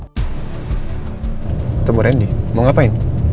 ketemu randy mau ngapain